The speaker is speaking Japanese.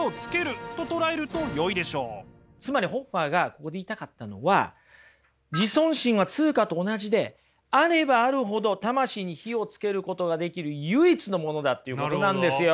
つまりホッファーがここで言いたかったのは自尊心は通貨と同じであればあるほど魂に火をつけることができる唯一のものだっていうことなんですよ。